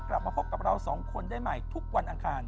กลับมาพบกับเราสองคนได้ใหม่ทุกวันอังคาร